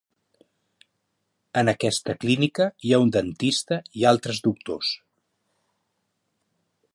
En aquesta clínica hi ha un dentista i altres doctors.